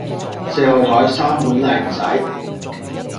四號枱三碗靚仔